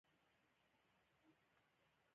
مېلمستیاوې یوازې د خوشحالولو لپاره نه وې.